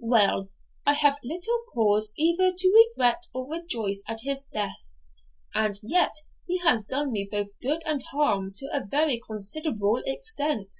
'Well, I have little cause either to regret or rejoice at his death; and yet he has done me both good and harm to a very considerable extent.'